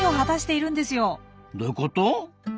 どういうこと？